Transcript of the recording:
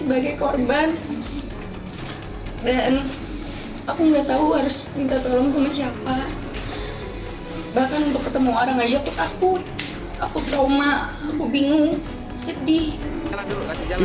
bahkan untuk ketemu orang aja aku takut aku trauma aku bingung sedih